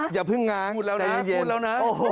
อย่าพึ่งง้าแต่เย็น